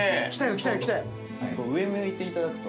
上向いていただくと。